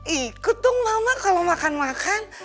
ikut dong mama kalau makan makan